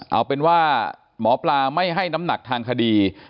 เอาเป็นว่าหมอปลาไม่ให้น้ำหนักทางคดี